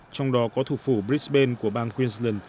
trong đó có thủ phủ brisbane